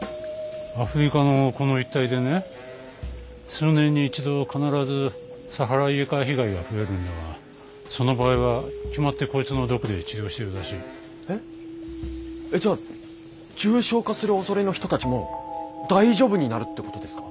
アフリカのこの一帯でね数年に一度必ずサハライエカ被害が増えるんだがその場合は決まってこいつの毒で治療しているらしい。え？えじゃあ重症化するおそれの人たちも大丈夫になるってことですか！？